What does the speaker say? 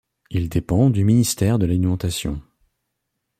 Il dépend du Ministère de l'Alimentation.